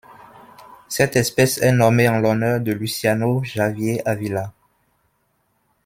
Cette espèce est nommée en l'honneur de Luciano Javier Ávila.